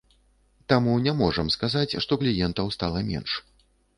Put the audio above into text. Таму не можам сказаць, што кліентаў стала менш.